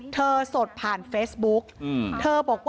เธอสดผ่านเฟซบุ๊ค